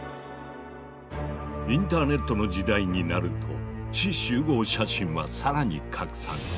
インターネットの時代になると志士集合写真はさらに拡散。